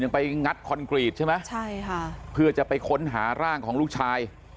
ไปงัดคอนกรีตใช่ไหมใช่ค่ะเพื่อจะไปค้นหาร่างของลูกชาย